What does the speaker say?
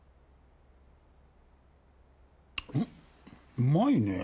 うまいねぇ。